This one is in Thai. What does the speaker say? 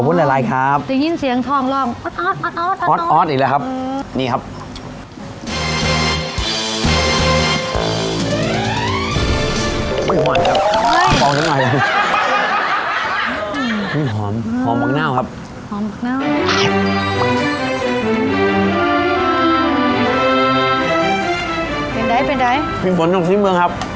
พื้นหอมมักน่าวครับ